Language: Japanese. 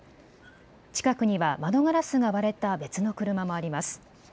近くには窓ガラスが割れた別の車もあります。